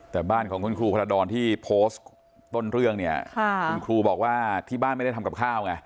แต่บ้านของคุณครูพระดรที่โพสต์ต้นเรื่องเนี่ยคุณครูบอกว่าที่บ้านไม่ได้ทำกับข้าวไง